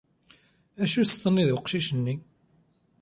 acu i as-tenniḍ i uqcic-nni?